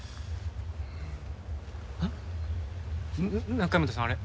中山田さんあれ。